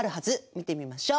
見てみましょう！